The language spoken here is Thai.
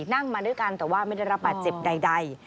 นั่งมาด้วยกันแต่ว่าไม่ได้รับบาดเจ็บใด